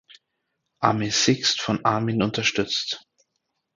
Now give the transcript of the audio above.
Armee Sixt von Armin unterstützt.